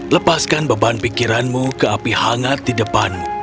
lepaskan beban pikiranmu ke api hangat di depanmu